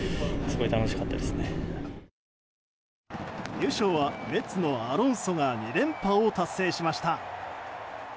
優勝はメッツのアロンソが２連覇を達成しました。